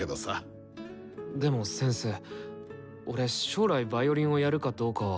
でも先生俺将来ヴァイオリンをやるかどうかは。